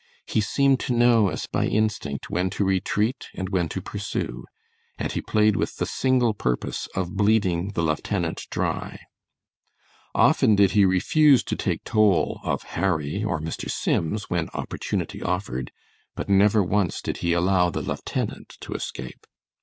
He seemed to know as by instinct when to retreat and when to pursue; and he played with the single purpose of bleeding the lieutenant dry. Often did he refuse to take toll of Harry or Mr. Sims when opportunity offered, but never once did he allow the lieutenant to escape.